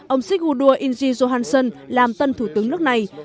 ông sigurdur ingi gohansson làm tân thủ tướng nước này